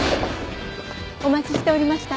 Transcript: お待ちしておりました。